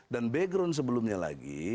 dan background sebelumnya lagi